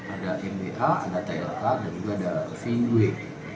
ada mda ada tlk dan juga ada vinduy